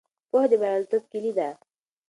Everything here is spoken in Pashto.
پوهه د بریالیتوب کیلي ده.